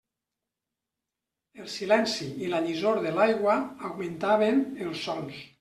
El silenci i la llisor de l'aigua augmentaven els sons.